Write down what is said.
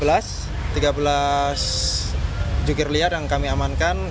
ada tiga belas jukir liar yang kami amankan